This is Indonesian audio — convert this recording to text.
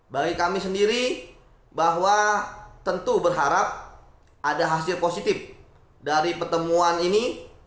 bagi kami sendiri bahwa tentu berharap ada hasil positif dari pertemuan ini